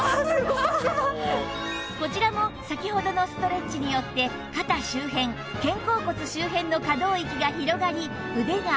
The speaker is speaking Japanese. こちらも先ほどのストレッチによって肩周辺肩甲骨周辺の可動域が広がり腕が上がりました